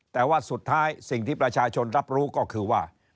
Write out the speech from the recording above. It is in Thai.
แต่ว่าสุดท้ายสิ่งที่ประชาชนรับรู้ก็คือว่า